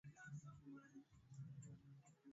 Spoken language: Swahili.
Ferne Arfin Weka umbali wako wa kuendesha